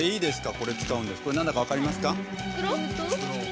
これなんだかわかりますか？